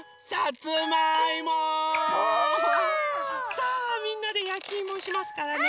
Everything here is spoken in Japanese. さあみんなでやきいもしますからね。